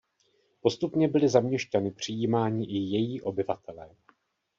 Postupně byly za měšťany přijímáni i její obyvatelé.